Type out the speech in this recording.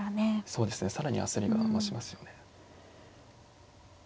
そうですね更に焦りが増しますよね。